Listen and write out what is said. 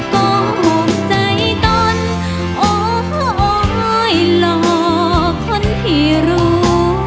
ก็ถูกใจตนโอ้โหหลอกคนที่รู้